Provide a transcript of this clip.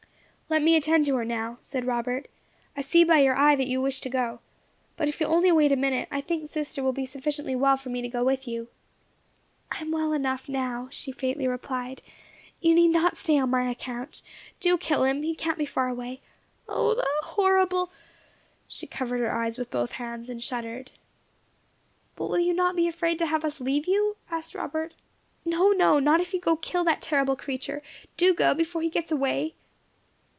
"Let me attend to her now," said Robert. "I see by your eye that you wish to go. But if you will only wait a minute, I think sister will be sufficiently well for me to go with you." "I am well enough now," she faintly replied. "You need not stay on my account. Do kill him. He can't be far away. Oh, the horrible" she covered her eyes with both hands, and shuddered. "But will you not be afraid to have us leave you?" asked Robert. "No, no; not if you go to kill that terrible creature. Do go, before he gets away."